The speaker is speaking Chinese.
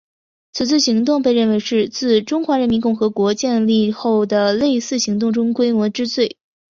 此次行动被认为是自中华人民共和国建立后的类似行动中规模之最。